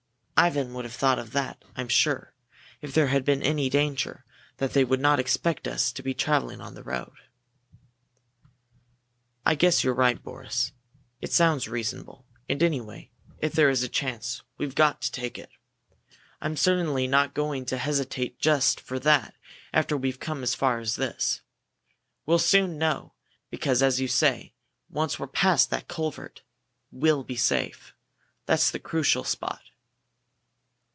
Ivan would have thought of that, I'm sure, if there had been any danger that they would not expect us to be traveling on this road." "I guess you're right, Boris. It sounds reasonable. And anyway, if there is a chance, we've got to take it. I'm certainly not going to hesitate just for that after we've come as far as this. We'll soon know because, as you say, once we're past that culvert, we'll be safe. That's the crucial spot."